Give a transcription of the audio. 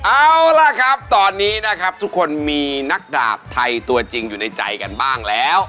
เอาล่ะครับตอนนี้นะครับทุกคนมีนักดาบไทยตัวจริงอยู่ในใจกันบ้างแล้ว